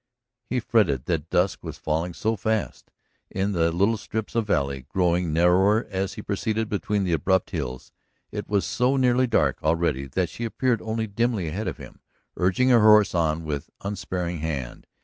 He fretted that dusk was falling so fast. In the little strips of valley, growing narrower as he proceeded between the abrupt hills, it was so nearly dark already that she appeared only dimly ahead of him, urging her horse on with unsparing hand.